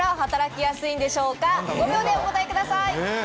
５秒でお答えください。